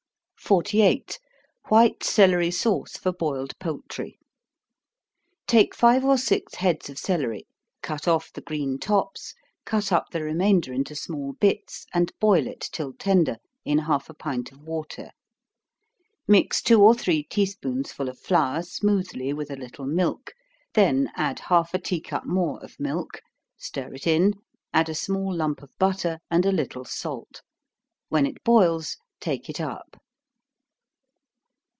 48. White Celery Sauce for Boiled Poultry. Take five or six heads of celery cut off the green tops, cut up the remainder into small bits, and boil it till tender, in half a pint of water mix two or three tea spoonsful of flour smoothly with a little milk then add half a tea cup more of milk, stir it in, add a small lump of butter, and a little salt. When it boils, take it up.